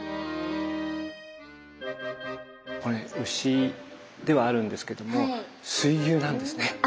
これ牛ではあるんですけども水牛なんですね。